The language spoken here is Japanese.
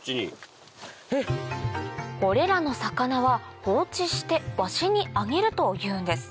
これらの魚は放置してワシにあげるというんです